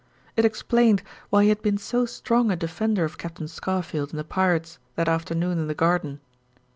It explained why he had been so strong a defender of Captain Scarfield and the pirates that afternoon in the garden.